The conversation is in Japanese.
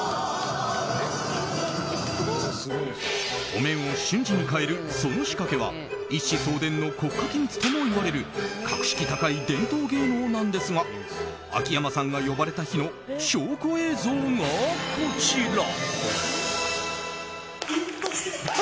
お面を瞬時に変えるその仕掛けは一子相伝の国家機密ともいわれる格式高い伝統芸能なんですが秋山さんが呼ばれた日の証拠映像がこちら。